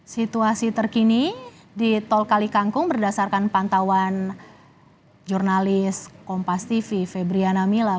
situasi terkini di tol kalikangkung berdasarkan pantauan jurnalis kompas tv febriana mila